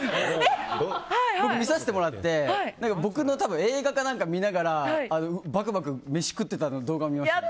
僕、見させてもらって僕の映画か何か見ながらバクバクと飯を食べてる動画を見ました。